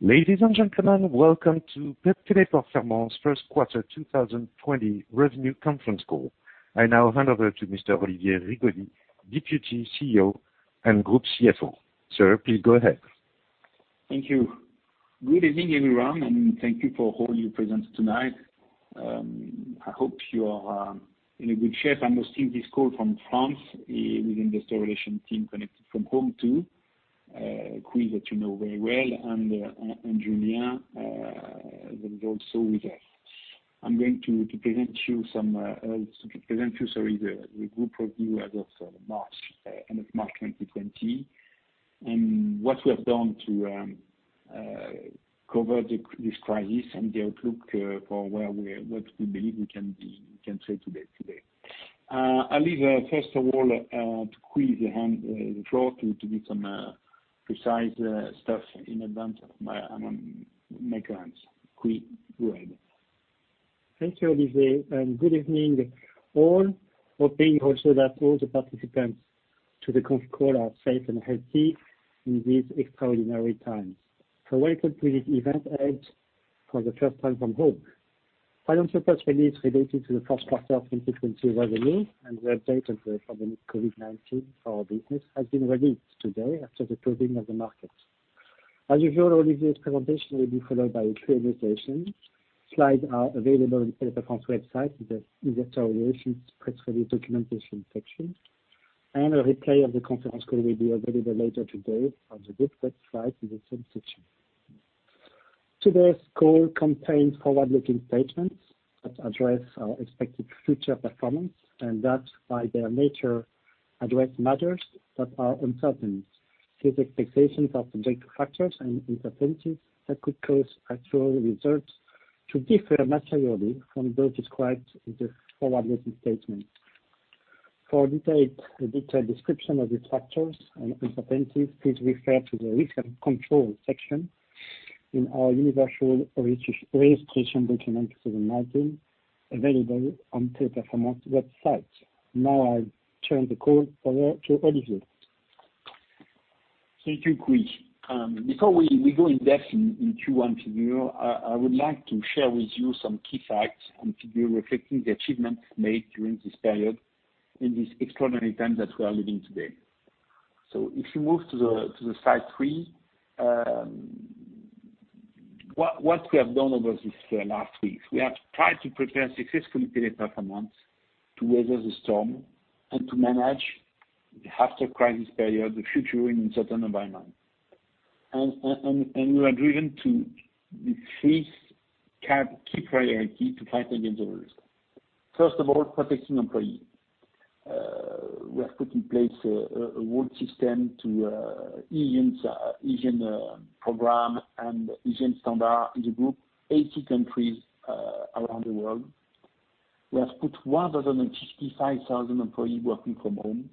Ladies and gentlemen, welcome to Teleperformance First Quarter 2020 Revenue Conference Call. I now hand over to Mr. Olivier Rigaudy, Deputy CEO and Group CFO. Sir, please go ahead. Thank you. Good evening, everyone, and thank you for all your presence tonight. I hope you are in good shape. I'm hosting this call from France with Investor Relations team connected from home, too. Cui, that you know very well, and Julien that is also with us. I'm going to present you the group review as of end of March 2020, and what we have done to cover this crisis, and the outlook for what we believe we can say today. I leave, first of all, to Cui the floor to give some precise stuff in advance of my comments. Cui, go ahead. Thank you, Olivier. Good evening, all. Hoping also that all the participants to the conference call are safe and healthy in these extraordinary times. Welcome to this event held for the first time from home. Financial results related to the first quarter of 2020 revenue and the update of the COVID-19 for our business has been released today after the closing of the market. As usual, Olivier's presentation will be followed by a Q&A session. Slides are available on Teleperformance website in the Investor Relations Press Release Documentation section, and a replay of the conference call will be available later today on the group website in the same section. Today's call contains forward-looking statements that address our expected future performance, and that by their nature, address matters that are uncertain. These expectations are subject to factors and uncertainties that could cause actual results to differ materially from those described in the forward-looking statements. For a detailed description of these factors and uncertainties, please refer to the Risk and Control section in our universal registration document 2019, available on Teleperformance website. Now I turn the call over to Olivier. Thank you, Cui. Before we go in-depth in Q1 figure, I would like to share with you some key facts and figures reflecting the achievements made during this period in these extraordinary times that we are living today. So, if you move to slide three, what we have done over these last weeks, we have tried to prepare successfully Teleperformance to weather the storm and to manage the after-crisis period, the future in uncertain environment. We are driven to the three key priorities to fight against the risk. First of all, protecting employee. We have put in place a world system to hygiene program and hygiene standard in the group, 80 countries around the world. We have put 155,000 employees working from home,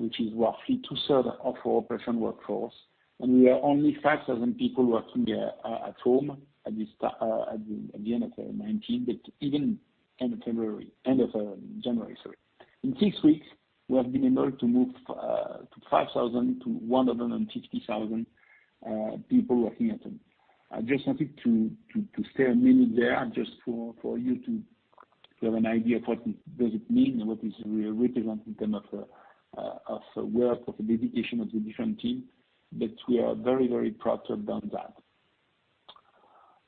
which is roughly 2/3 of our operation workforce. We are only 5,000 people working there at home at the end of 2019, but even end of January. In six weeks, we have been able to move 5,000 to 150,000 people working at home. I just wanted to stay a minute there just for you to have an idea of what does it mean and what is really represented in terms of work of the dedication of the different team, but we are very proud to have done that.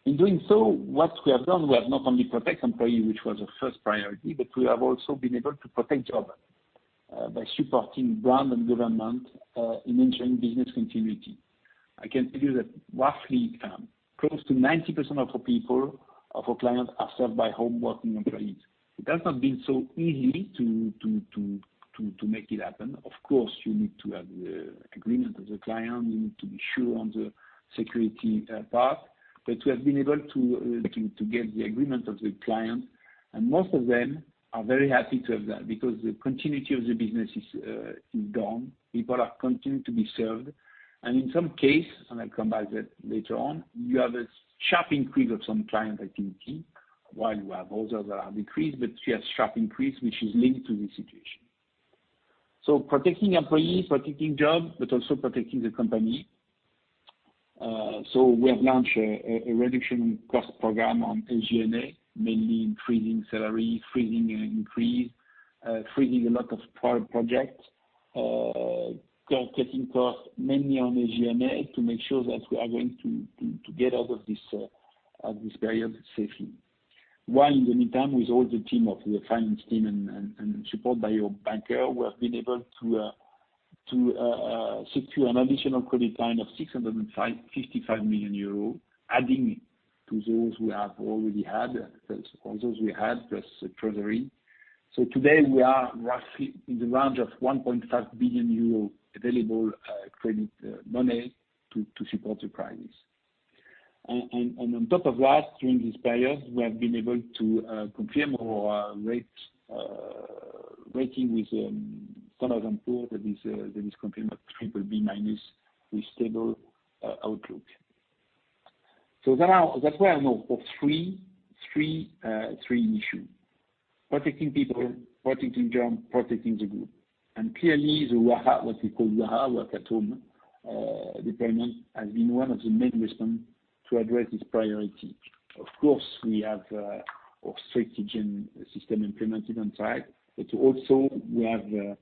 In doing so, what we have done, we have not only protect employee, which was the first priority, but we have also been able to protect job by supporting brand and government in ensuring business continuity. I can tell you that roughly close to 90% of our people, of our clients are served by home working employees. It has not been so easy to make it happen. Of course, you need to have the agreement of the client. You need to be sure on the security path, but we have been able to get the agreement of the client, and most of them are very happy to have that because the continuity of the business is gone. People are continuing to be served. And in some case, and I'll come back to that later on, you have a sharp increase of some client activity while you have others that are decreased, but you have sharp increase which is linked to the situation. Protecting employees, protecting jobs, but also protecting the company. We have launched a reduction cost program on SG&A, mainly in freezing salary, freezing increase, freezing a lot of projects. Cutting costs mainly on SG&A to make sure that we are going to get out of this period safely. While, in the meantime, with all the team of the finance team and support by your banker, we have been able to secure an additional credit line of 655 million euros, adding to those we have already had, those treasury. Today we are roughly in the range of 1.5 billion euro available credit money to support the price. On top of that, during this period, we have been able to confirm our rating with Standard & Poor's that is confirmed BBB- with stable outlook. That's why I know of three issues: protecting people, protecting jobs, protecting the group. Clearly, what we call work at home deployment has been one of the main response to address this priority. Of course, we have our strict system implemented on site, but also we have, I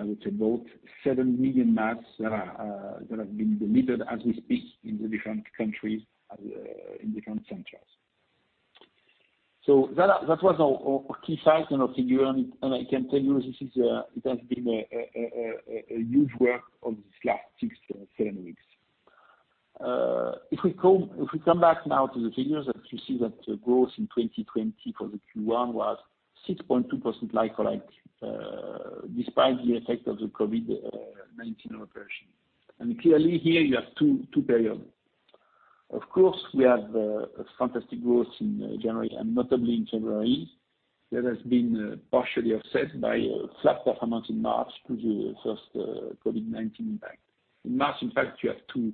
would say about 7 million masks that have been delivered as we speak in the different countries, in different centers. That was our key fact and figure, and I can tell you it has been a huge work over these last six weeks, seven weeks. If we come back now to the figures that you see, that growth in 2020 for the Q1 was 6.2% like-for-like, despite the effect of the COVID-19 operation. Clearly here you have two periods. Of course, we have a fantastic growth in January and notably in February. That has been partially offset by a flat performance in March due to the first COVID-19 impact. In March, in fact, you have two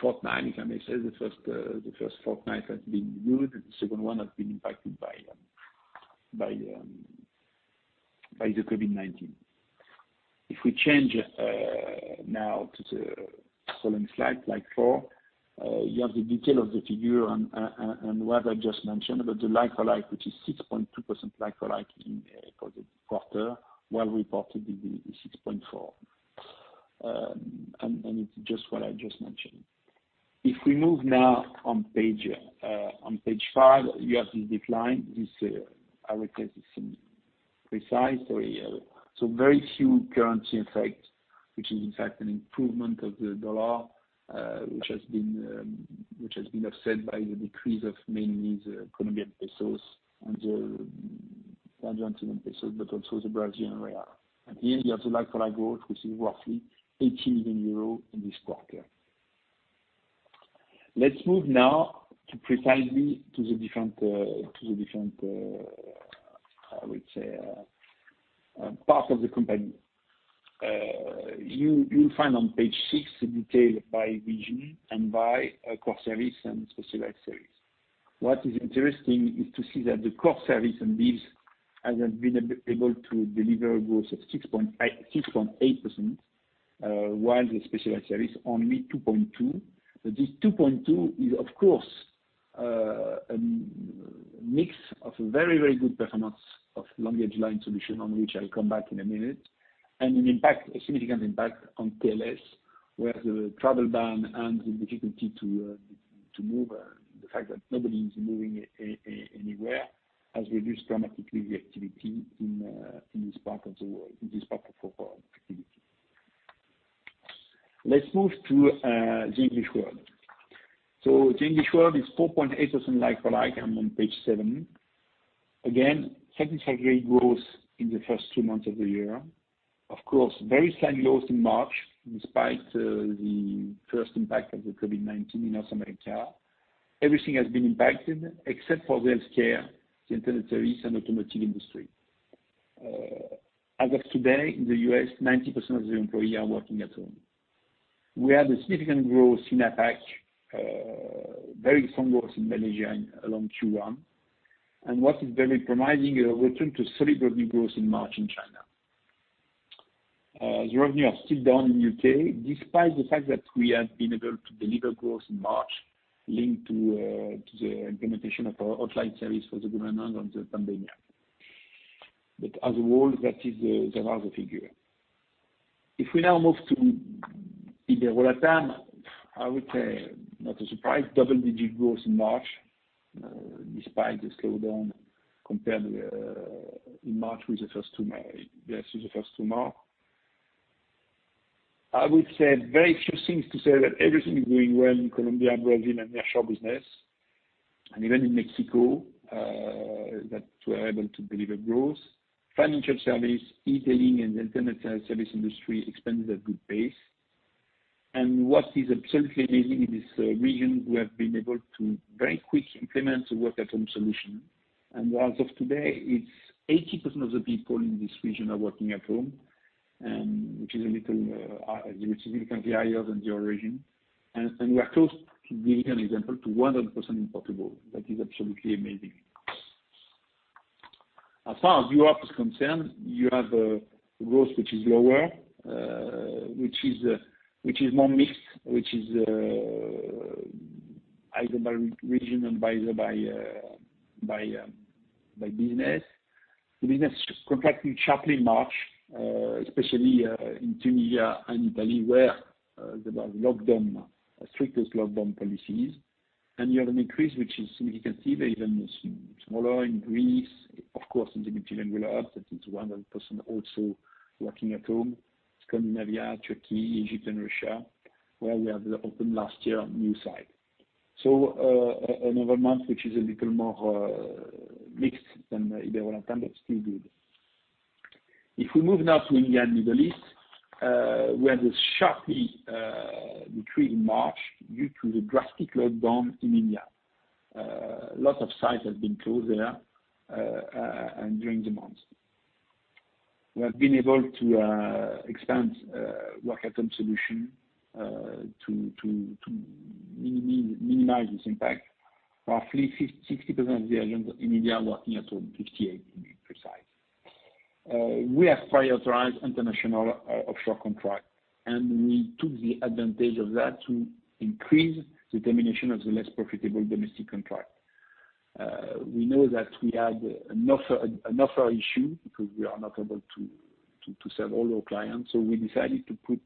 fortnight, if I may say. The first fortnight has been good, and the second one has been impacted by the COVID-19. If we change now to the following slide four, you have the detail of the figure and what I just mentioned about the like-for-like, which is 6.2% like-for-like for the quarter, while reported is 6.4%. It's just what I just mentioned. If we move now on page five, you have this decline. This, I would say, this is precise. Very few currency effect, which is in fact an improvement of the U.S. dollar, which has been offset by the decrease of mainly the Colombian pesos and the Argentinian pesos, but also the Brazilian real. Here you have the like-for-like growth, which is roughly 18 million euros in this quarter. Let's move now to precisely to the different, I would say, parts of the company. You will find on page six the detail by region and by core service and specialized service. What is interesting is to see that the core service and this has been able to deliver a growth of 6.8%, while the specialized service only 2.2%. This 2.2% is of course, a mix of very, very good performance of LanguageLine Solutions, on which I'll come back in a minute. A significant impact on TLS, where the travel ban and the difficulty to move, the fact that nobody is moving anywhere, has reduced dramatically the activity in this part of the world, in this part of our activity. Let's move to the English world. So, the English world is 4.8% like-for-like on page seven. Again, satisfactory growth in the first two months of the year. Of course, very slight loss in March, despite the first impact of the COVID-19 in North America. Everything has been impacted except for healthcare, the internet service, and automotive industry. As of today, in the U.S. 90% of the employees are working at home. We had a significant growth in APAC, very strong growth in Malaysia along Q1. What is very promising, a return to solid revenue growth in March in China. The revenue are still down in U.K., despite the fact that we have been able to deliver growth in March linked to the implementation of our hotline service for the government on the pandemic. As a whole, that is the larger figure. If we now move to Ibero-LATAM, I would say, not a surprise, double-digit growth in March, despite the slowdown compared in March with the first two months. I would say very few things to say that everything is going well in Colombia, Brazil, and nearshore business. Even in Mexico, that we're able to deliver growth. Financial service, e-tailing, and internet service industry expanded at good pace. What is absolutely amazing in this region, we have been able to very quickly implement a work-at-home solution. As of today, it's 80% of the people in this region are working at home, which is a little significantly higher than the origin. We are close to giving an example to 100% in Portugal. That is absolutely amazing. As far as Europe is concerned, you have a growth which is lower, which is more mixed, which is either by region and by business. The business contracted sharply in March, especially in Tunisia and Italy, where there was strictest lockdown policies. You have an increase, which is significantly even smaller in Greece. Of course, in the multilingual hubs, that is 100% also working at home. Scandinavia, Turkey, Egypt, and Russia, where we have opened last year a new site. Another month, which is a little more mixed than Ibero-LATAM, but still good. If we move now to India and Middle East, we have this sharply retreat in March due to the drastic lockdown in India. Lots of sites have been closed there during the month. We have been able to expand work-at-home solution to minimize this impact. Roughly 60% of the agents in India are working at home, 58 to be precise. We have prioritized international offshore contract, and we took the advantage of that to increase the termination of the less profitable domestic contract. We know that we had another issue because we are not able to serve all our clients. So, we decided to put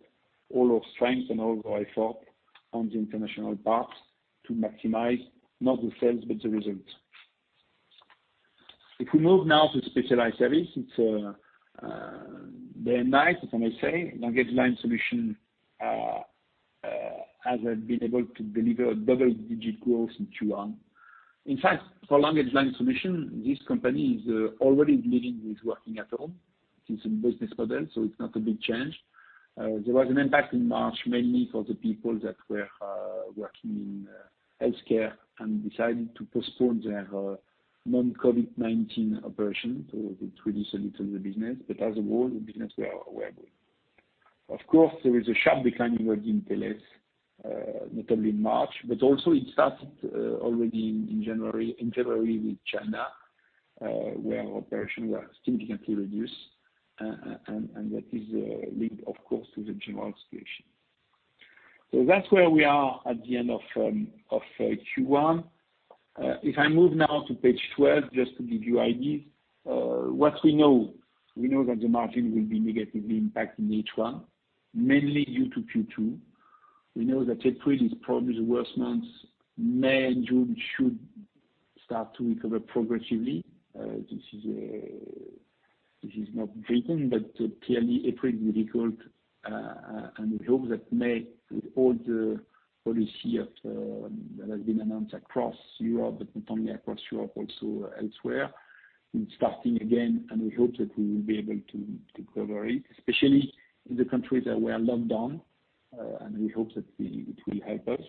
all our strengths and all our effort on the international parts to maximize not the sales, but the results. If we move now to specialized service, it's very nice, as I may say, LanguageLine Solutions has been able to deliver double-digit growth in Q1. In fact, for LanguageLine Solutions, this company is already living with working at home. It's a business model, so it's not a big change. There was an impact in March, mainly for the people that were working in healthcare and decided to postpone their non-COVID-19 operations. It reduced a little the business, but as a whole, the business were good. Of course, there is a sharp decline in revenue in TLS, notably in March, but also it started already in January with China, where operations were significantly reduced. That is linked, of course, to the general situation. That's where we are at the end of Q1. If I move now to page 12, just to give you ideas. What we know, we know that the margin will be negatively impacted in H1, mainly due to Q2. We know that April is probably the worst month. May and June should start to recover progressively. This is not written, but clearly April will be difficult, and we hope that May, with all the policy that has been announced across Europe, but not only across Europe, also elsewhere, in starting again, and we hope that we will be able to recover it, especially in the countries that were locked down, and we hope that it will help us.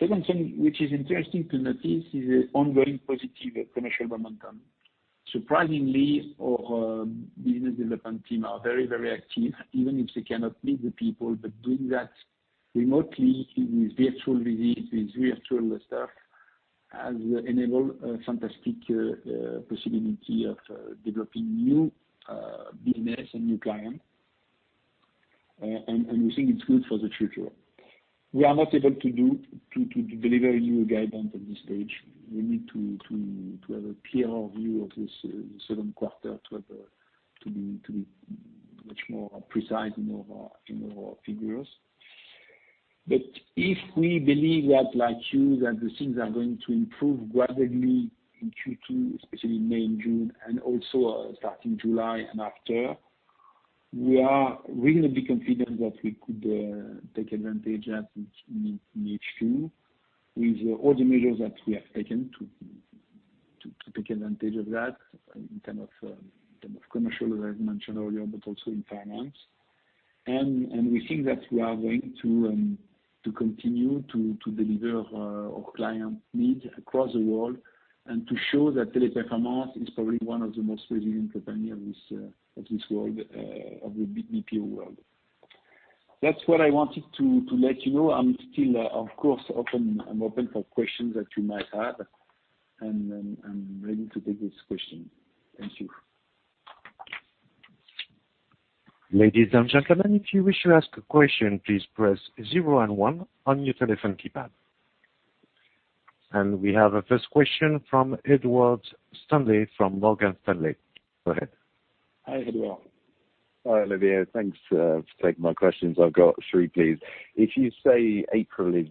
Second thing which is interesting to notice is the ongoing positive commercial momentum. Surprisingly, our business development team are very, very active, even if they cannot meet the people, but doing that remotely with virtual visits, with virtual stuff, has enabled a fantastic possibility of developing new business and new clients, and we think it's good for the future. We are not able to deliver a new guidance at this stage. We need to have a clearer view of this second quarter to be much more precise in our figures. If we believe that, like you, that the things are going to improve gradually in Q2, especially May and June, and also starting July and after, we are reasonably confident that we could take advantage of it in H2 with all the measures that we have taken to take advantage of that in term of commercial, as mentioned earlier, but also in finance. We think that we are going to continue to deliver our client needs across the world and to show that Teleperformance is probably one of the most resilient company of the BPO world. That's what I wanted to let you know. I'm still, of course, open for questions that you might have, and I'm ready to take these questions. Thank you. Ladies and gentlemen, if you wish to ask a question, please press zero and one on your telephone keypad. We have a first question from Edward Stanley from Morgan Stanley. Go ahead. Hi, Edward. Hi, Olivier. Thanks for taking my questions. I've got three, please. If you say April is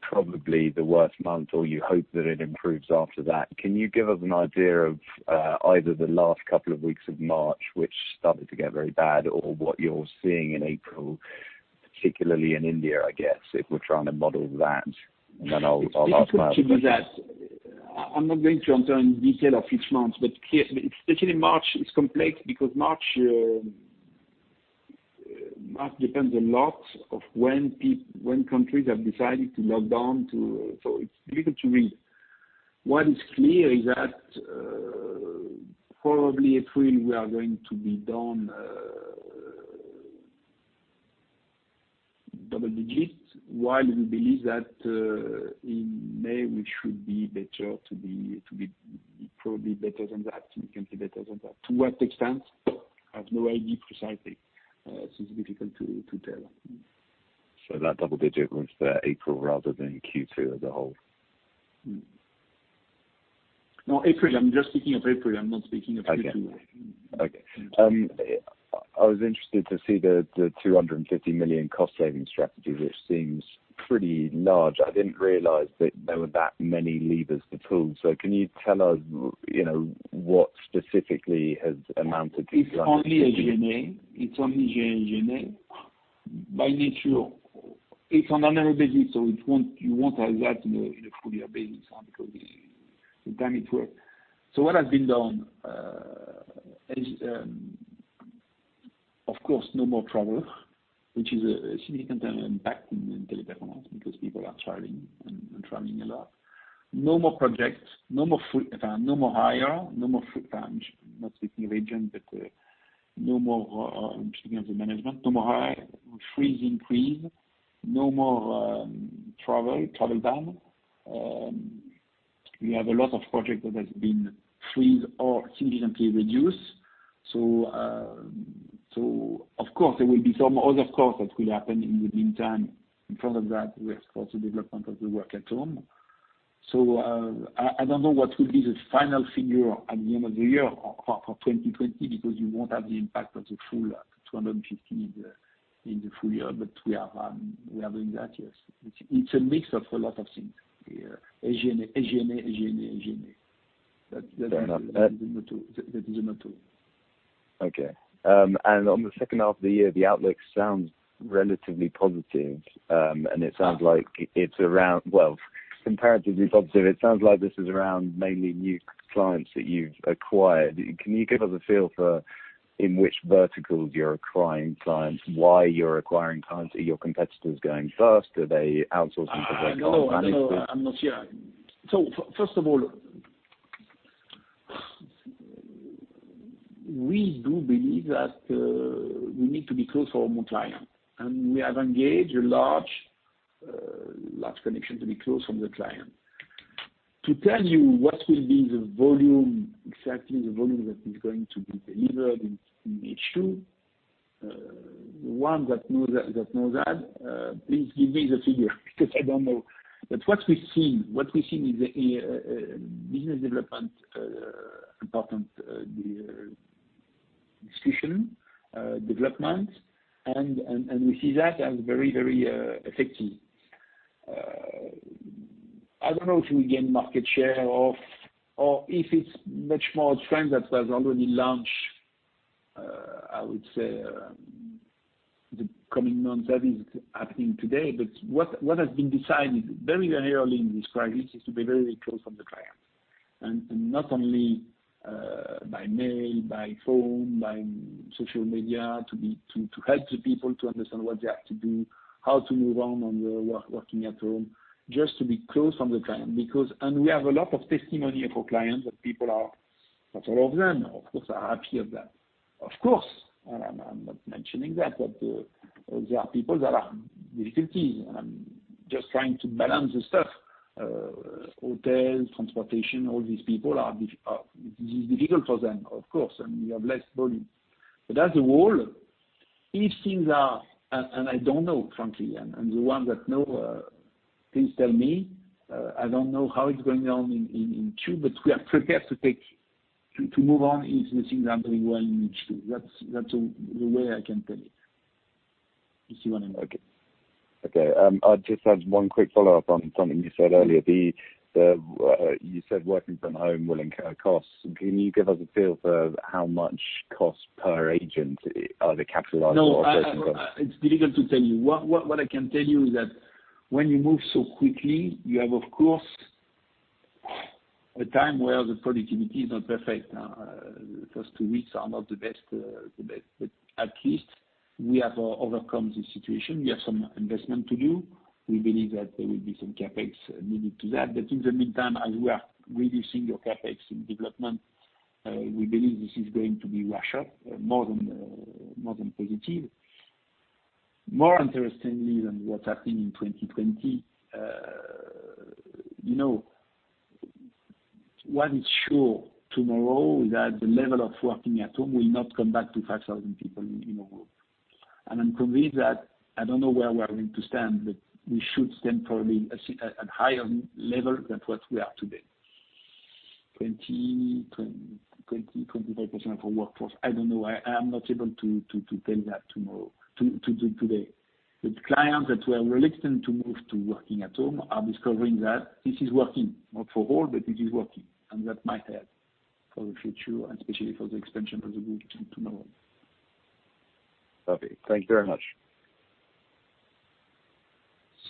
probably the worst month or you hope that it improves after that, can you give us an idea of either the last couple of weeks of March which started to get very bad or what you're seeing in April, particularly in India, I guess, if we're trying to model that? I'll ask my other questions. It's difficult to do that. I'm not going to enter in detail of each month, but especially March is complex because March depends a lot of when countries have decided to lock down. It's difficult to read. What is clear is that probably April we are going to be down double digits, while we believe that in May we should be better, to be probably better than that, to be considerably better than that. To what extent, I have no idea precisely. It's difficult to tell. That double digit was for April rather than Q2 as a whole? No, April. I'm just speaking of April. I'm not speaking of Q2. Okay. I was interested to see the 250 million cost saving strategy, which seems pretty large. I didn't realize that there were that many levers to pull. So can you tell us what specifically has amounted to EUR 250 million? It's only G&A. By nature, it's a non-recurring, you won't have that in a full year basis because the time it worked. What has been done. Of course, no more travel, which is a significant impact in Teleperformance because people are traveling and traveling a lot. No more projects, no more hire, no more free time. Not speaking of agent, but speaking of the management, no more hire, freeze increase, no more travel time. We have a lot of project that has been freeze or significantly reduced. Of course, there will be some other costs that will happen in the meantime. In front of that, we explore the development of the work at home. I don't know what will be the final figure at the end of the year for 2020, because you won't have the impact of the full 250 million in the full year. We are doing that, yes. It's a mix of a lot of things. As you know. That is number two. Okay. On the second half of the year, the outlook sounds relatively positive. It sounds like it's around, well, comparatively positive. It sounds like this is around mainly new clients that you've acquired. Can you give us a feel for in which verticals you're acquiring clients, why you're acquiring clients? Are your competitors going first? Are they outsourcing because they can't manage this? I don't know. I'm not sure. First of all, we do believe that we need to be close to our client. We have engaged a large connection to be close from the client. To tell you what will be the volume, exactly the volume that is going to be delivered in H2, the one that knows that, please give me the figure because I don't know. What we've seen in the business development, important discussion, development, and we see that as very, very effective. I don't know if we gain market share or if it's much more trend that was already launched, I would say, the coming months, that is happening today. What has been decided very early in this crisis is to be very close to the client. Not only by mail, by phone, by social media, to help the people to understand what they have to do, how to move on when we're working at home, just to be close to the client. Beacuse we have a lot of testimony of our clients that people are, not all of them, of course, are happy of that. Of course, I'm not mentioning that, but there are people that have difficulties, and I'm just trying to balance the stuff. Hotels, transportation, all these people, this is difficult for them, of course, and we have less volume. As a whole, if things are, I don't know, frankly, and the one that know, please tell me. I don't know how it's going on in Q2, but we are prepared to move on into the things that are doing well in H2. That's the way I can tell it. You see what I mean? Okay. I'll just add one quick follow-up on something you said earlier. You said working from home will incur costs. Can you give us a feel for how much cost per agent are the capitalized or operational costs? No. It's difficult to tell you. What I can tell you is that when you move so quickly, you have of course, a time where the productivity is not perfect. The first two weeks are not the best. At least we have overcome this situation. We have some investment to do. We believe that there will be some CapEx needed to that. In the meantime, as we are reducing your CapEx in development, we believe this is going to be rush up more than positive. More interestingly than what's happening in 2020, what is sure tomorrow is that the level of working at home will not come back to 5,000 people in the world. I'm convinced that I don't know where we are going to stand, but we should stand probably at higher level than what we are today. 20%-25% of our workforce. I don't know. I am not able to tell that today. Clients that were reluctant to move to working at home are discovering that this is working. Not for all, but it is working. That might help for the future and especially for the expansion of the group to tomorrow. Perfect. Thank you very much.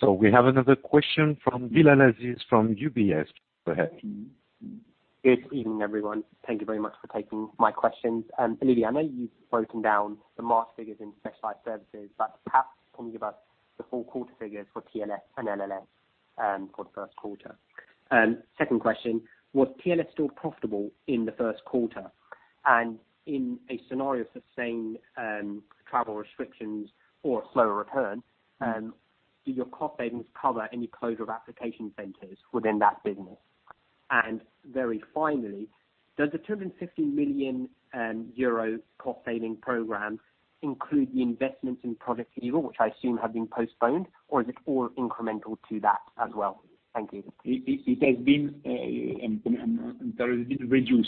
We have another question from Bilal Aziz from UBS. Go ahead. Good evening, everyone. Thank you very much for taking my questions. Olivier, I know you've broken down the master figures in Specialized Services. Perhaps can you give us the full quarter figures for TLS and LLS for the first quarter? Second question, was TLS still profitable in the first quarter? In a scenario for saying travel restrictions or a slower return, and do your cost savings cover any closure of application centers within that business? Very finally, does the 250 million euro cost saving program include the investments in Project Eagle, which I assume have been postponed, or is it all incremental to that as well? Thank you. There has been a reduce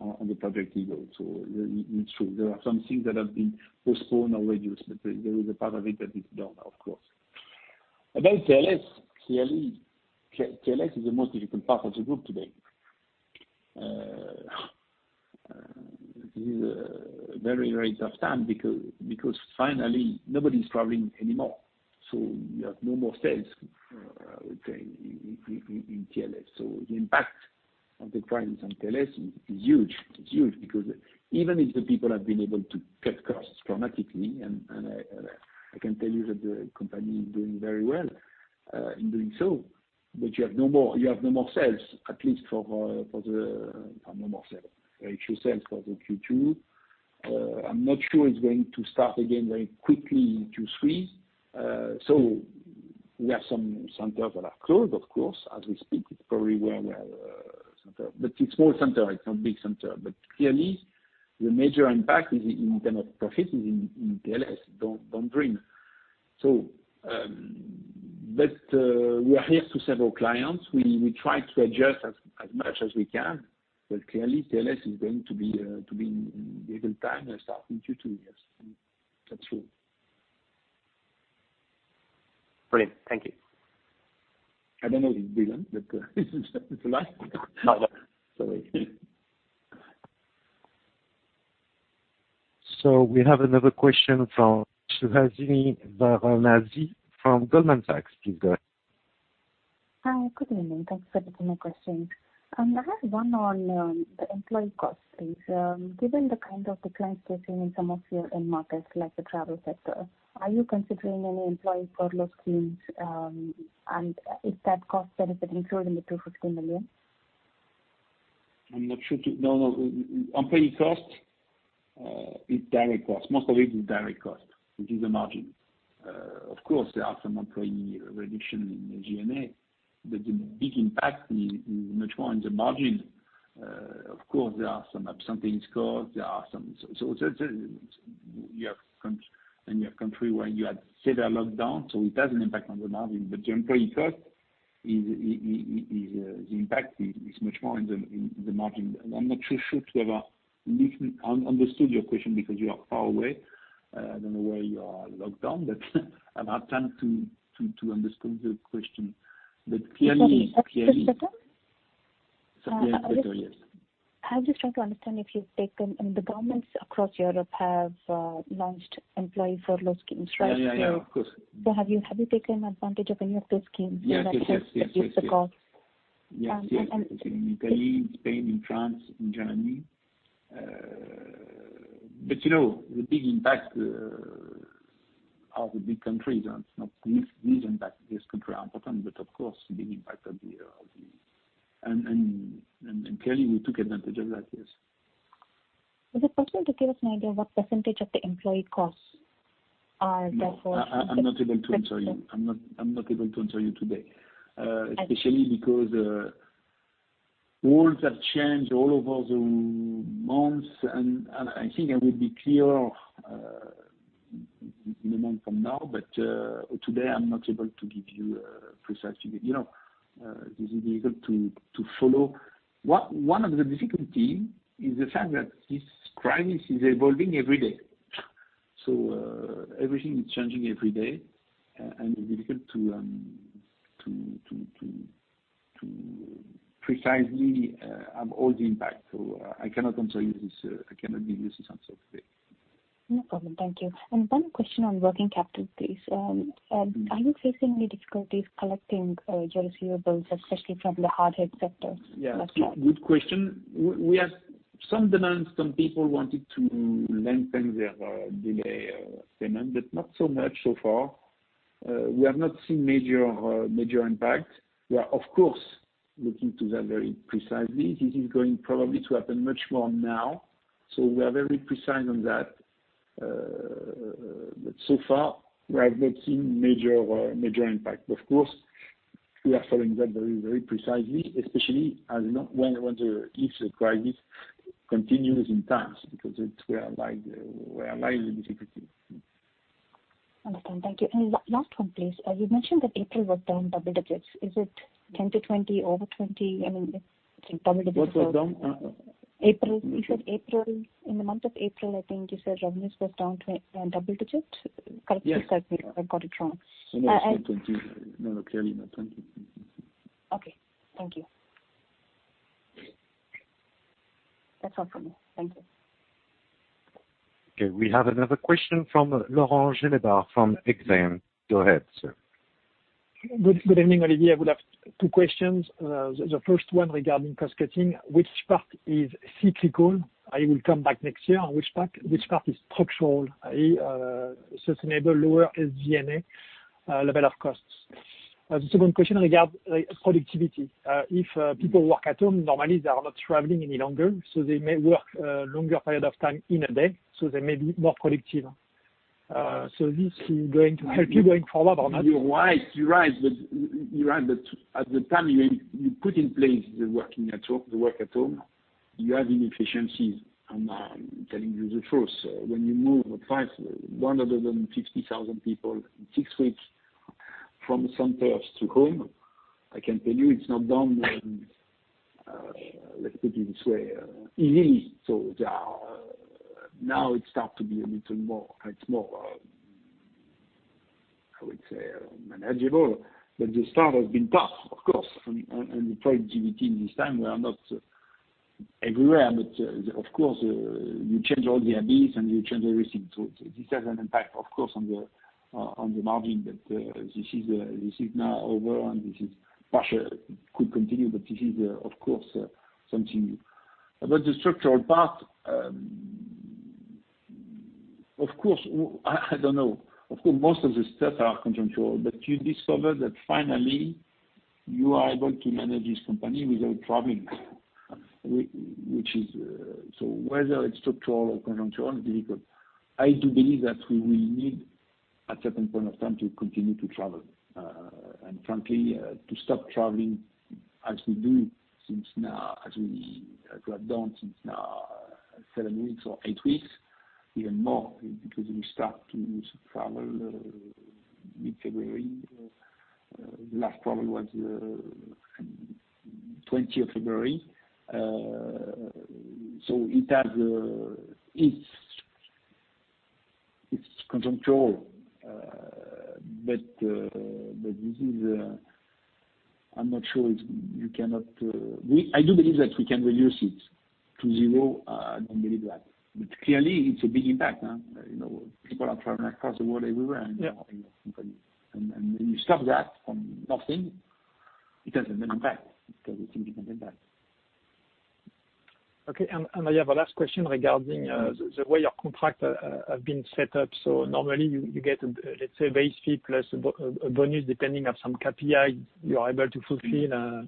on the Project Eagle, so it's true. There are some things that have been postponed or reduced, but there is a part of it that is done, of course. About TLS, clearly TLS is the most difficult part of the group today. This is a very tough time because finally, nobody's traveling anymore, so we have no more sales, I would say, in TLS. The impact of the clients and TLS is huge. It's huge because even if the people have been able to cut costs dramatically, and I can tell you that the company is doing very well in doing so, but you have no more sales, at least for the no more sales. Very few sales for the Q2. I'm not sure it's going to start again very quickly in Q3. So, we have some centers that are closed, of course, as we speak. It's probably where we have a center. It's small center, it's not big center. Clearly, the major impact in terms of profit is in TLS. Don't dream. We are here to serve our clients. We try to adjust as much as we can. Clearly, TLS is going to be a difficult time and start in two years. That's true. Great. Thank you. I don't know if it's brilliant, but it's a lot. No. Sorry. We have another question from Suhasini Varanasi from Goldman Sachs. Please go ahead. Hi, good evening. Thanks for taking my question. I have one on the employee cost, please. Given the kind of decline we're seeing in some of your end markets, like the travel sector, are you considering any employee furlough schemes? Is that cost benefit included in the 250 million? No, employee cost is direct cost. Most of it is direct cost. It is a margin. Of course, there are some employee reduction in G&A, but the big impact is much more on the margin. Of course, there are some up-something costs. In your country where you had severe lockdown, so it has an impact on the margin. The employee cost, the impact is much more in the margin. I'm not too sure to have understood your question because you are far away. I don't know where you are locked down, but I've had time to understand the question. Sorry, just a second. Sorry. Yes. The governments across Europe have launched employee furlough schemes, right? Yeah. Of course. Have you taken advantage of any of those schemes? Yes To reduce the cost? Yes. In Italy, in Spain, in France, in Germany. The big impact are the big countries. These impacts, these countries are important. Of course, clearly, we took advantage of that, yes. Is it possible to give us an idea what percentage of the employee costs are therefore. No, I'm not able to answer you. I'm not able to answer you today. Especially because worlds have changed all over the months, I think I will be clear in a month from now. But today, I'm not able to give you a precise figure. It is difficult to follow. One of the difficulties is the fact that this crisis is evolving every day. Everything is changing every day, it's difficult to precisely have all the impact. I cannot answer you this. I cannot give you this answer today. No problem. Thank you. One question on working capital, please. Are you facing any difficulties collecting your receivables, especially from the hard-hit sectors? Yeah. Good question. We have some demands. Some people wanted to lengthen their delay of payment, but not so much so far. We have not seen major impact. We are, of course, looking to that very precisely. This is going probably to happen much more now, so we are very precise on that. So far, we have not seen major impact. Of course, we are following that very precisely, especially if the crisis continues intense, because we are likely difficulty. Understand. Thank you. Last one, please. You mentioned that April was down double digits. Is it 10 to 20, over 20? I mean, double digits. What was down? April. You said April. In the month of April, I think you said revenues was down double digits. Yes. Correct me if I got it wrong. No, clearly double digits. Okay. Thank you. That's all from me. Thank you. Okay, we have another question from Laurent Gélébart from Exane. Go ahead, sir. Good evening, Olivier. I would have two questions. The first one regarding cost-cutting, which part is cyclical? Are you will come back next year? Which part is structural, sustainable, lower SG&A level of costs? The second question regard productivity. If people work at home, normally, they are not traveling any longer, so they may work a longer period of time in a day, so they may be more productive. This is going to help you going forward or not? You're right. At the time you put in place the work at home, you have inefficiencies. I'm telling you the truth. When you move 150,000 people in six weeks from centers to home, I can tell you it's not done, let's put it this way, easily. Now it starts to be a little more, I would say, manageable. The start has been tough, of course. The productivity in this time, we are not everywhere, but of course, you change all the ABs and you change everything. This has an impact, of course, on the margin, but this is now over and this is partial. It could continue, but this is, of course, something. The structural part, I don't know. Of course, most of the staff are contractual, but you discover that finally you are able to manage this company without traveling. Whether it's structural or contractual is difficult. I do believe that we will need, at a certain point of time, to continue to travel. Frankly, to stop traveling as we do since now, as we have done since now seven weeks or eight weeks, even more, because we start to travel mid-February. The last problem was the 20th of February. It's contractual, but I'm not sure. I do believe that we can reduce it to zero. I don't believe that. Clearly, it's a big impact. People are traveling across the world everywhere. Yeah. When you stop that from nothing, it has an impact. Of course it has an impact. Okay. I have a last question regarding the way your contracts have been set up. Normally you get, let's say, a base fee plus a bonus depending on some KPI you are able to fulfill.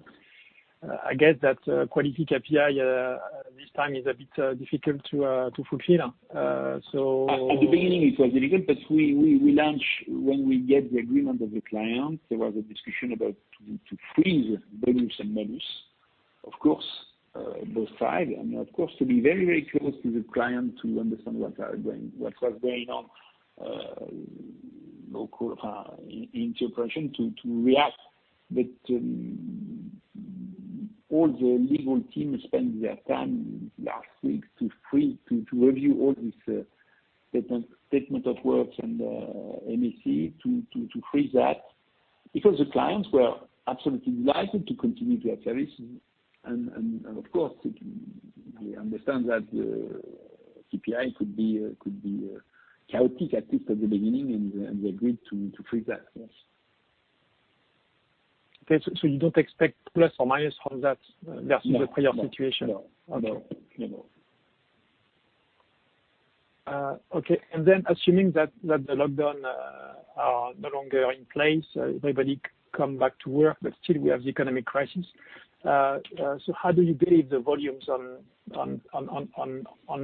I guess that quality KPI this time is a bit difficult to fulfill. At the beginning it was difficult, when we get the agreement of the client, there was a discussion about to freeze bonus and minus, of course, both sides. Of course, to be very close to the client to understand what was going on, local integration to react. All the legal team spent their time last week to review all these Statement of Works and MSA to freeze that because the clients were absolutely delighted to continue their service. And of course, they understand that the KPI could be chaotic, at least at the beginning, and they agreed to freeze that. Yes. Okay. You don't expect ± from that versus the prior situation? No. Okay. Assuming that the lockdown are no longer in place, everybody come back to work, but still we have the economic crisis. How do you believe the volumes on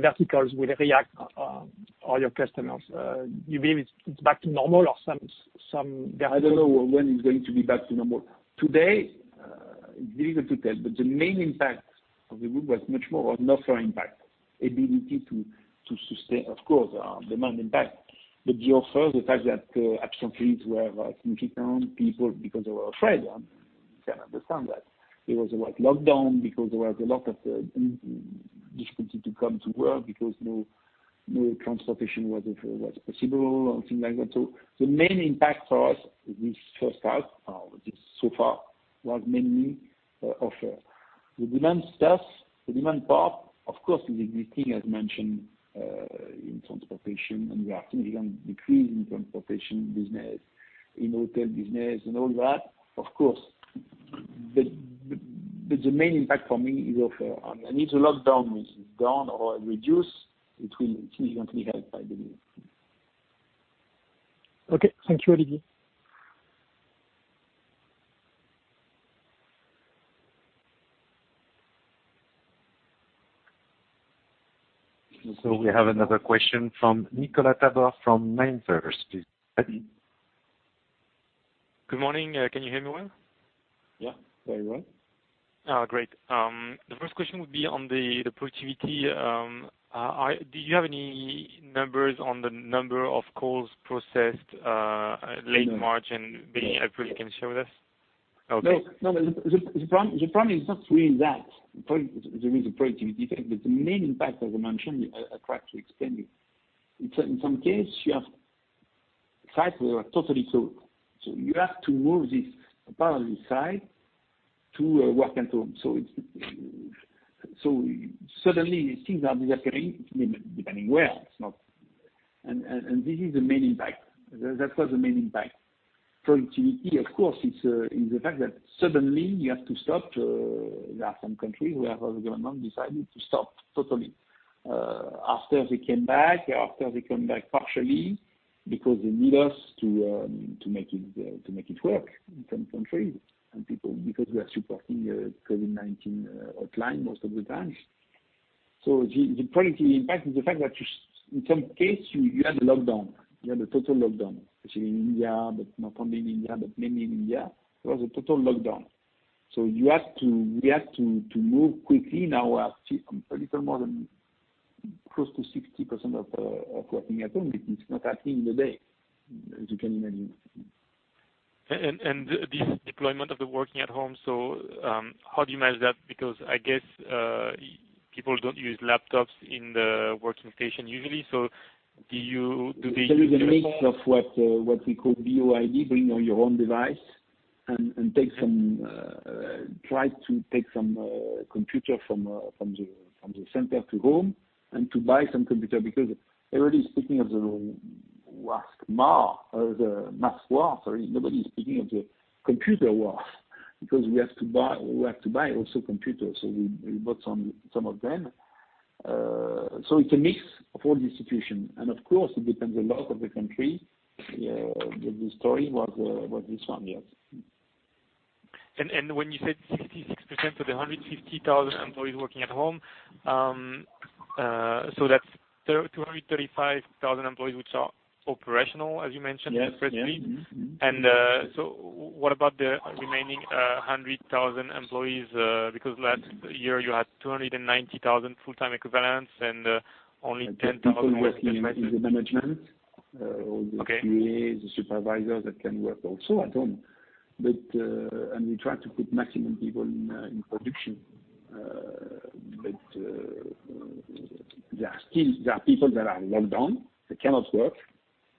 verticals will react all your customers? Do you believe it's back to normal? I don't know when it's going to be back to normal. Today, it's difficult to tell. The main impact of the group was much more of an offer impact, ability to sustain, of course, demand impact. The offer, the fact that absolutely it were significantly down, people because they were afraid. You can understand that. There was a lockdown because there was a lot of difficulty to come to work because no transportation was possible or things like that. The main impact for us this first half, or this so far, was mainly offer. The demand part, of course, is existing as mentioned, in transportation, and we are significantly decreasing transportation business, in hotel business and all that, of course. But the main impact for me is offer. I need the lockdown is gone or reduced. It will significantly help, I believe. Okay. Thank you, Olivier. We have another question from Nicolas Tabor from MainFirst. Please, Nicolas. Good morning. Can you hear me well? Yeah. Very well. Great. The first question would be on the productivity. Do you have any numbers on the number of calls processed late March and maybe you actually can share with us? Okay. The problem is not really that. There is a productivity effect, the main impact, as I mentioned, I tried to explain you. In some case, you have sites that are totally closed. You have to move this part of the site to work at home. Suddenly things are disappearing, depending where. This is the main impact. That was the main impact. Productivity, of course, it's the fact that suddenly you have to stop. There are some countries where the government decided to stop totally. After they come back partially because they need us to make it work in some countries and people, because we are supporting COVID-19 hotline most of the times. The productivity impact is the fact that in some case you had a lockdown, you had a total lockdown, let's say in India, but not only in India, but mainly in India. It was a total lockdown. So, we have to move quickly now a little more than close to 60% of working at home. It's not happening in the day, as you can imagine. This deployment of the working at home, how do you manage that? Because I guess people don't use laptops in the working station usually. There is a mix of what we call BYOD, Bring Your Own Device. We try to take some computer from the center to home and to buy some computer because everybody's speaking of the mask war. Nobody's speaking of the computer war, because we have to buy also computers, so we bought some of them. It's a mix of all the institutions. Of course, it depends a lot on the country. The story was this one, yes. Then, when you said 66% of the 150,000 employees working at home, that's 235,000 employees which are operational, as you mentioned previously. Yes. What about the remaining 100,000 employees? Because last year, you had 290,000 full-time equivalents and only 10,000 were. The people working in the management. Okay The QA, the supervisors that can work also at home. We try to put maximum people in production. There are people that are locked down, they cannot work, and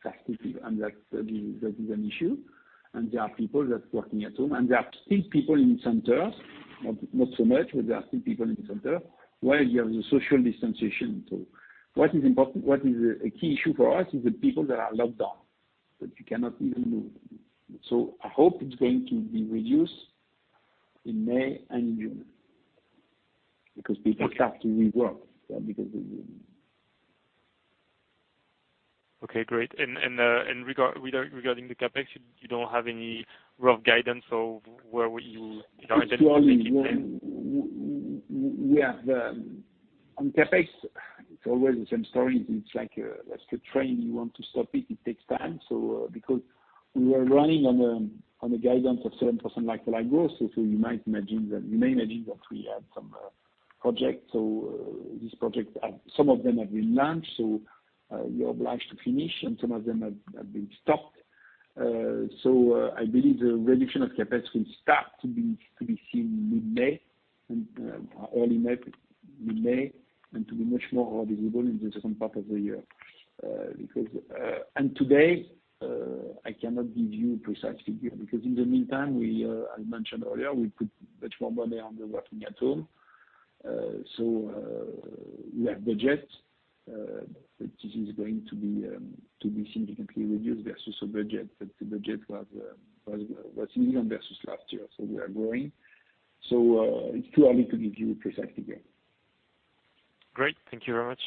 that is an issue. There are people that are working at home, and there are still people in centers, not so much, but there are still people in the center, where you have the social distancing. What is a key issue for us is the people that are locked down, that you cannot even move. I hope it is going to be reduced in May and June because people have to rework. Okay, great. Regarding the CapEx, you don't have any rough guidance of where you are then to make it then? On CapEx, it's always the same story. It's like a train. You want to stop it takes time. Because we were running on a guidance of 7% like-for-like growth, so you might imagine that we had some projects. These projects, some of them have been launched, so we are obliged to finish, and some of them have been stopped. So, I believe the reduction of CapEx will start to be seen mid-May, early-May, mid-May, and to be much more visible in the second part of the year. Today, I cannot give you a precise figure because in the meantime, as I mentioned earlier, we put much more money on the working at home. We have budget, but this is going to be significantly reduced versus a budget that the budget was easy on versus last year. We are growing. It's too early to give you a precise figure. Great. Thank you very much.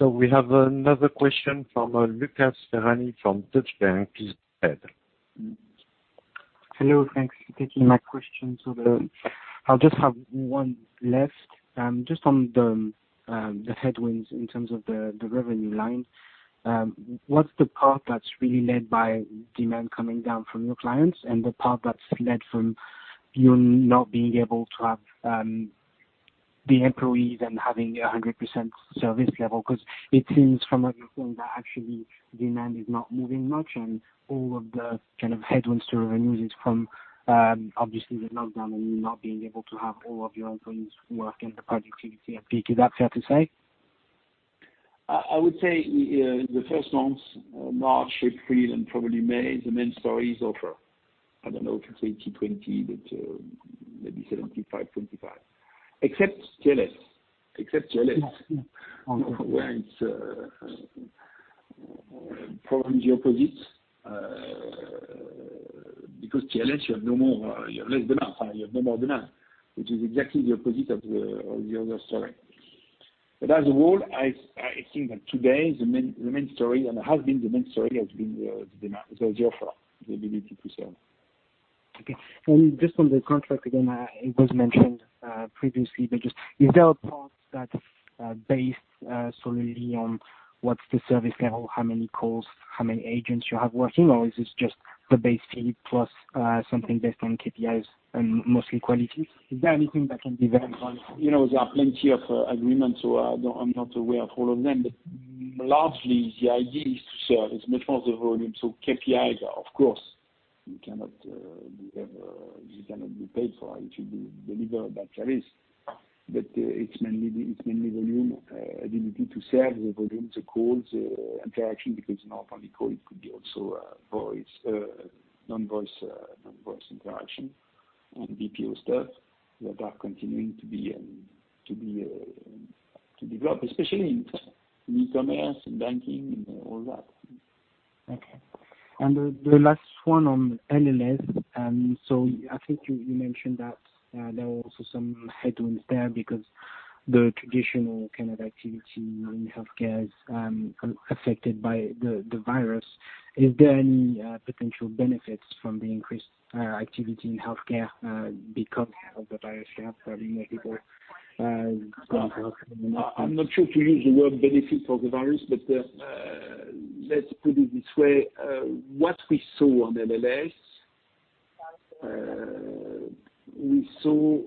We have another question from Lucas Serrano from Deutsche Bank. Please go ahead. Hello. Thanks for taking my question. I'll just have one left. Just on the headwinds in terms of the revenue line. What's the part that's really led by demand coming down from your clients and the part that's led from you not being able to have the employees and having 100% service level? It seems from everything that actually demand is not moving much and all of the kind of headwinds to revenues is from, obviously the lockdown and you not being able to have all of your employees work and the productivity at peak. Is that fair to say? I would say, the first months, March, April, and probably May, the main stories offer, I don't know if it's 80/20, but maybe 75/25. Except TLS. Yes. It's probably the opposite, because TLS, you have no more demand, which is exactly the opposite of the other story. As a whole, I think that today the main story, and has been the main story, has been the demand, the offer, the ability to sell. Okay. Just on the contract again, it was mentioned previously, but just is there a part that's based solely on what's the service level, how many calls, how many agents you have working, or is this just the base fee plus something based on KPIs and mostly quality? Is there anything that can be verified? There are plenty of agreements. I'm not aware of all of them, but largely the idea is to serve as much of the volume. KPIs are, of course, you cannot be paid for it if you deliver a bad service. It's mainly volume, ability to serve the volumes, the calls, interaction, because not only call, it could be also non-voice interaction and BPO stuff that are continuing to develop, especially in e-commerce and banking and all that. Okay. The last one on LLS. So, I think you mentioned that there are also some headwinds there because the traditional kind of activity in healthcare is affected by the virus. Is there any potential benefits from the increased activity in healthcare because of the virus? Probably more people going to hospital. I'm not sure to use the word benefit for the virus, but let's put it this way. What we saw on LLS, we saw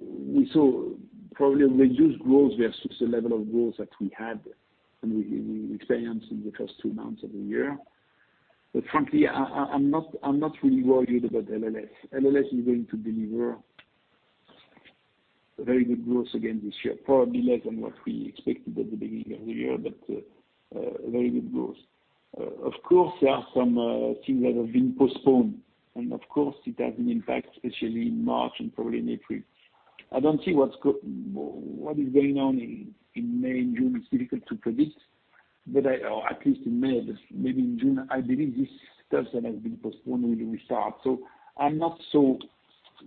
probably a reduced growth versus the level of growth that we had and we experienced in the first two months of the year. Frankly, I'm not really worried about LLS. LLS is going to deliver very good growth again this year. Probably less than what we expected at the beginning of the year, but very good growth. There are some things that have been postponed, it has an impact, especially in March and probably in April. I don't see what is going on in May and June. It's difficult to predict. At least in May, maybe in June, I believe this stuff that has been postponed will restart. I'm not so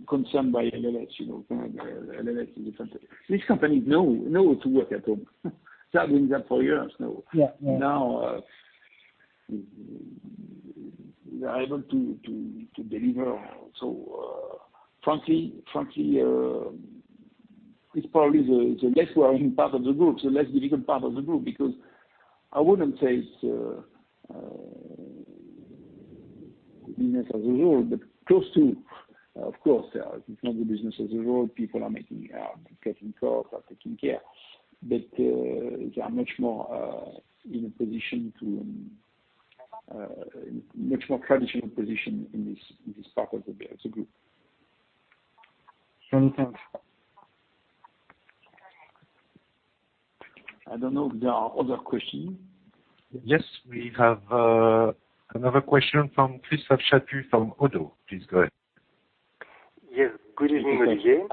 concerned by LLS. LLS is different. These companies know to work at home. They have been doing that for years now. Yeah. Now, they are able to deliver. Frankly, it's probably the less worrying part of the group, the less difficult part of the group because I wouldn't say it's business as usual. Of course, it's not the business as usual. People are making it out, cutting costs, are taking care. They are much more in a traditional position in this part of the group. Many thanks. I don't know if there are other questions. Yes, we have another question from Christophe Chaput from Oddo. Please go ahead. Yes. Good evening, Olivier.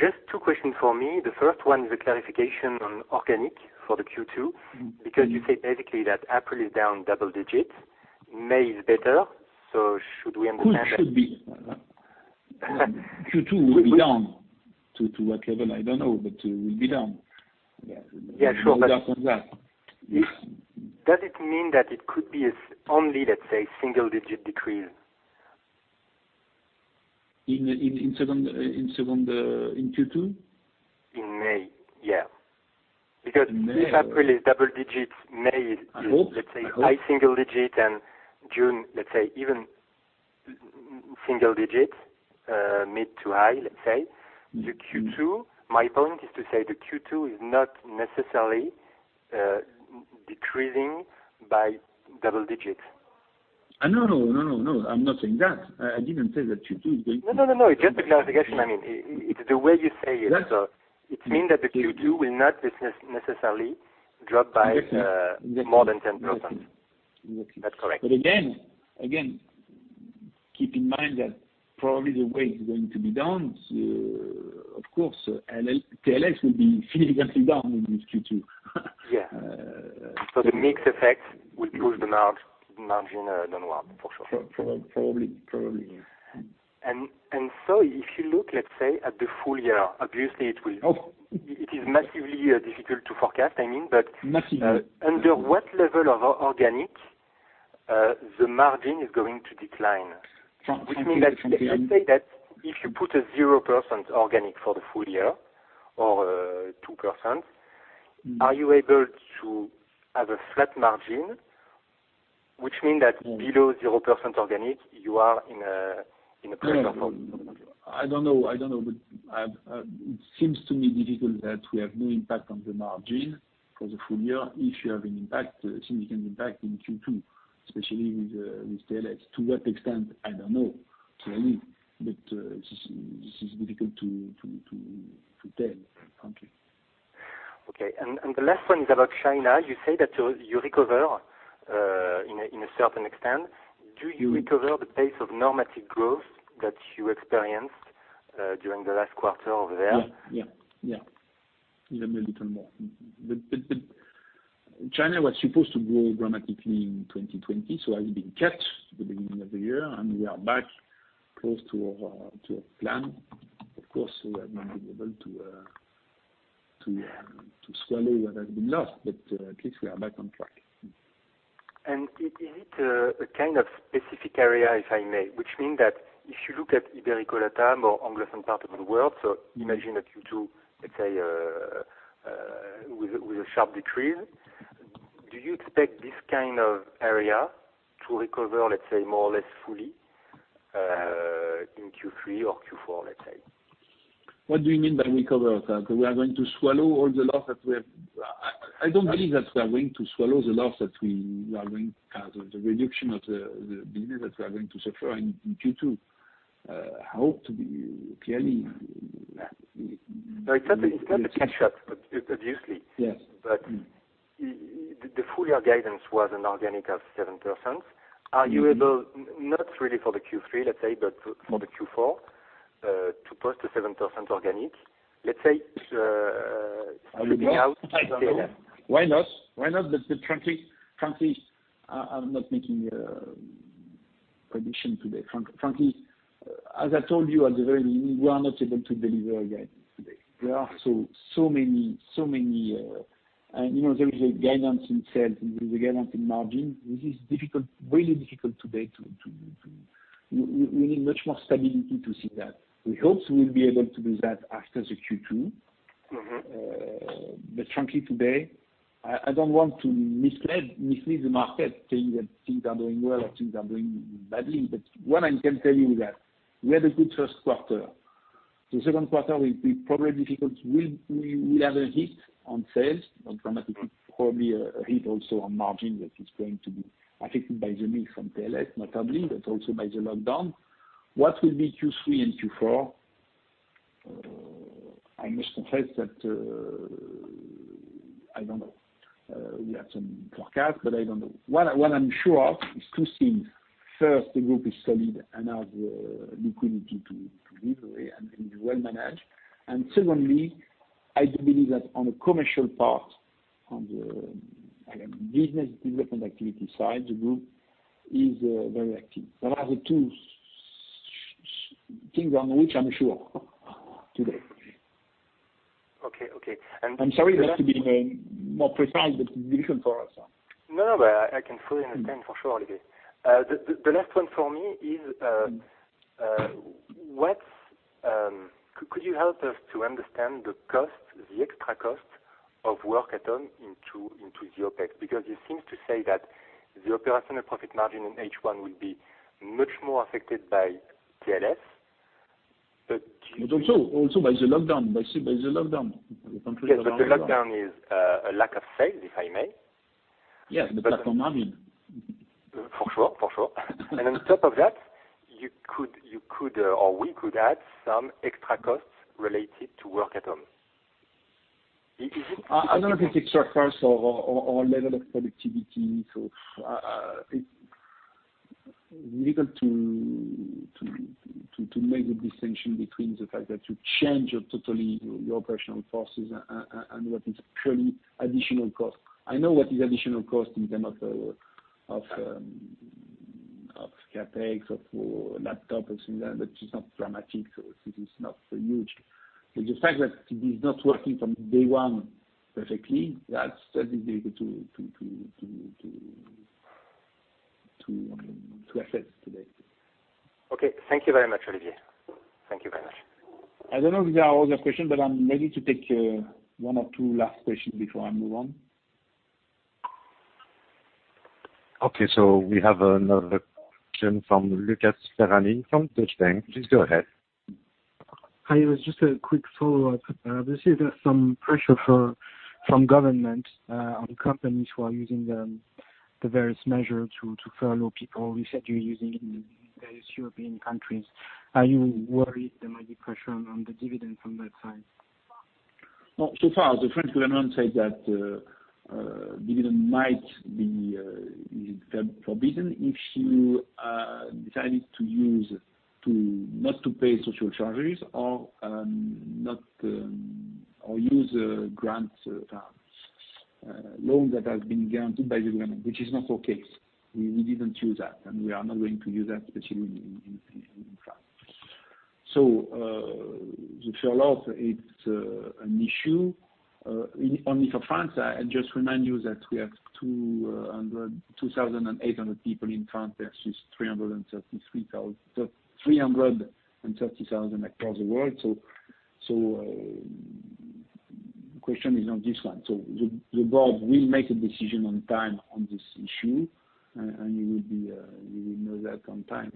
Just two questions for me. The first one is a clarification on organic for the Q2, because you say basically that April is down double digits. May is better. Should we understand that- Q2 will be down. To what level, I don't know, but it will be down. Yeah, sure. No doubt on that. Does it mean that it could be only, let's say, single-digit decrease? In Q2? In May, yeah. Because if April is double digits, May is. I hope. Let's say, high single digit and June, let's say even single digit, mid to high, let's say. My point is to say that Q2 is not necessarily decreasing by double digits. No. I'm not saying that. I didn't say that Q2 is going. No. It's just a clarification. It's the way you say it. It means that the Q2 will not necessarily drop. Exactly. More than 10%. Is that correct? Again, keep in mind that probably the way it's going to be down, of course, TLS will be significantly down in this Q2. Yeah. The mix effect will push the margin down for sure. Probably, yes. If you look, let's say, at the full year, obviously it is massively difficult to forecast, I mean. Massively. Under what level of organic the margin is going to decline? Which means that, let's say that if you put a 0% organic for the full year or 2%, are you able to have a flat margin, which means that below 0% organic you are in. I don't know. It seems to me difficult that we have no impact on the margin for the full year. If you have a significant impact in Q2, especially with TLS. To what extent? I don't know, clearly. This is difficult to tell frankly. Okay. The last one is about China. You say that you recover in a certain extent. Do you recover the pace of normative growth that you experienced during the last quarter over there? Yeah. Even a little more. China was supposed to grow dramatically in 2020, so has been kept at the beginning of the year, and we are back close to our plan. Of course, we have not been able to swallow what has been lost, but at least we are back on track. Is it a kind of specific area, if I may, which means that if you look at Ibero-LATAM, LATAM or anglophone part of the world, imagine that you do, let's say, with a sharp decrease. Do you expect this kind of area to recover, let's say, more or less fully in Q3 or Q4, let's say? What do you mean by recover? I don't believe that we are going to swallow the loss that we are going to have, or the reduction of the business that we are going to suffer in Q2. No, it is not the catch up, obviously. Yes. The full year guidance was an organic of 7%. Are you able, not really for the Q3, let's say, but for the Q4, to post a 7% organic, let's say, leaving out TLS. Why not? Frankly, I'm not making a prediction today. Frankly, as I told you at the very beginning, we are not able to deliver a guidance today. There is a guidance in sales and there is a guidance in margin. This is really difficult today. We need much more stability to see that. We hope we'll be able to do that after the Q2. But frankly, today, I don't want to mislead the market saying that things are going well or things are going badly. What I can tell you is that we had a good first quarter. The second quarter will be probably difficult. We will have a hit on sales, on dramatically, probably a hit also on margin that is going to be affected by the mix from TLS, notably, but also by the lockdown. What will be Q3 and Q4, I must confess that I don't know. We have some forecasts, but I don't know. What I'm sure of is two things. First, the group is solid and has the liquidity to live and is well-managed. Secondly, I do believe that on the commercial part, on the business development activity side, the group is very active. There are the two things on which I'm sure today. Okay. I'm sorry you have to be more precise, but it's difficult for us. I can fully understand for sure, Olivier. The last one for me is, could you help us to understand the extra cost of work at home into the OpEx? You seem to say that the operational profit margin in H1 will be much more affected by TLS. Also by the lockdown. Yes, the lockdown is a lack of sales, if I may. Yes, the platform margin. For sure. On top of that, you could, or we could add some extra costs related to work at home. I don't know if it's extra cost or level of productivity. It's difficult to make the distinction between the fact that you change totally your operational forces and what is purely additional cost. I know what is additional cost in terms of CapEx or for laptop or something, but it's not dramatic. It is not huge. The fact that it is not working from day one perfectly, that is difficult to assess today. Okay. Thank you very much, Olivier. Thank you very much. I don't know if there are other questions, but I'm ready to take one or two last questions before I move on. Okay, we have another question from Lucas Serrano from Deutsche Bank. Please go ahead. Hi, it was just a quick follow-up. We see that some pressure from government, on companies who are using the various measures to furlough people. You said you're using it in various European countries. Are you worried there might be pressure on the dividend from that side? No. So far, the French government said that dividend might be forbidden if you decided to not to pay social charges or use a grant loan that has been guaranteed by the government, which is not our case. We didn't use that, and we are not going to use that, especially in France. The furlough, it's an issue, only for France. I just remind you that we have 2,800 people in France versus 330,000 across the world. The question is not this one. The board will make a decision on time on this issue, and you will know that on time.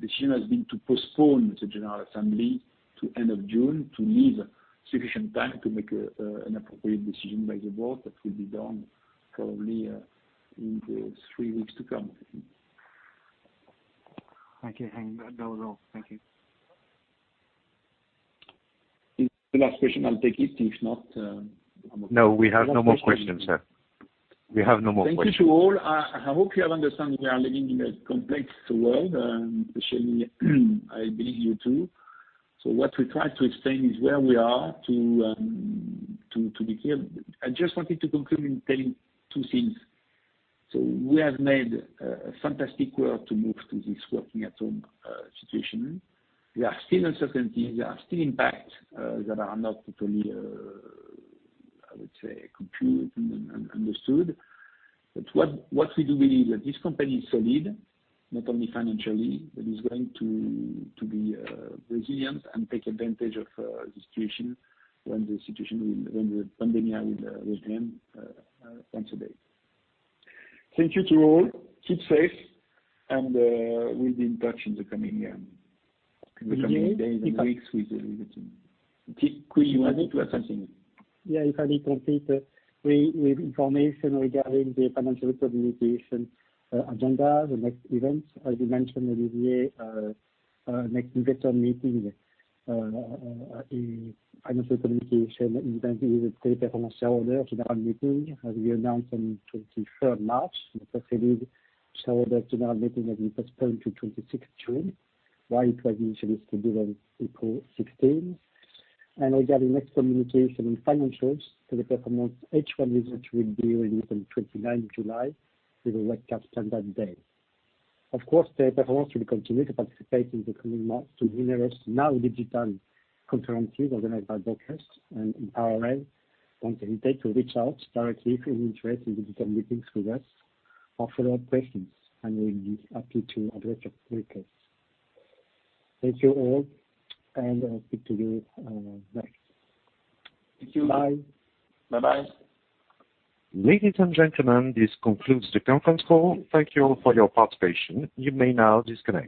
Decision has been to postpone the general assembly to end of June to leave sufficient time to make an appropriate decision by the board. That will be done probably in the three weeks to come, I think. Thank you. That was all. Thank you. If it's the last question, I'll take it. If not. No, we have no more questions, sir. We have no more questions. Thank you to all. I hope you have understood we are living in a complex world, and especially, I believe you, too. What we try to explain is where we are to be clear. I just wanted to conclude in telling two things. We have made a fantastic work to move to this working-at-home situation. There are still uncertainties, there are still impacts that are not totally, I would say, complete and understood. What we do believe that this company is solid, not only financially, but is going to be resilient and take advantage of the situation when the pandemic will end one day. Thank you to all. Keep safe, and we'll be in touch in the coming days and weeks with the team. Cui, could you add to something? Yeah, if I may complete with information regarding the financial communication agenda, the next event. As you mentioned, Olivier, next investor meeting is financial communication event with Teleperformance shareholders general meeting, as we announced on 23rd March. The first series shareholders general meeting has been postponed to 26th June, while it was initially scheduled on April 16th. Regarding next communication in financials, Teleperformance H1 results will be released on 29th July with a webcast on that day. Of course, Teleperformance will continue to participate in the coming months to numerous now digital conferences organized by brokers. In parallel, don't hesitate to reach out directly if you're interested in digital meetings with us or follow-up questions, and we'll be happy to address your requests. Thank you all, and I'll speak to you next. Thank you. Bye. Bye-bye. Ladies and gentlemen, this concludes the conference call. Thank you all for your participation. You may now disconnect.